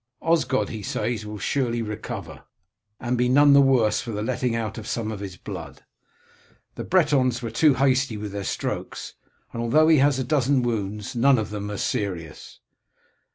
Osgod he says will surely recover, and be none the worse for the letting out of some of his blood. The Bretons were too hasty with their strokes, and although he has a dozen wounds none of them are serious.